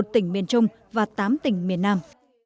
một tỉnh miền trung và tám tỉnh miền nam